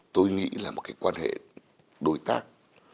tôi nghĩ là một cái quan hệ đối tác